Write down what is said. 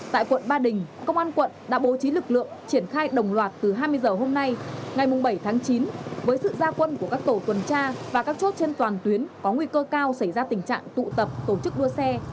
tại quận ba đình công an quận đã bố trí lực lượng triển khai đồng loạt từ hai mươi h hôm nay ngày bảy tháng chín với sự gia quân của các tổ tuần tra và các chốt trên toàn tuyến có nguy cơ cao xảy ra tình trạng tụ tập tổ chức đua xe